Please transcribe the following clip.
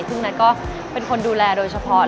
ซึ่งนัทก็เป็นคนดูแลโดยเฉพาะ